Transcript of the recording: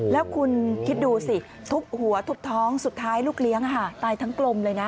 แล้วคุณคิดดูสิทุบหัวทุบท้องสุดท้ายลูกเลี้ยงตายทั้งกลมเลยนะ